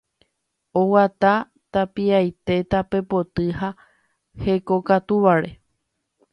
oguata tapiaite tape potĩ ha hekokatúvare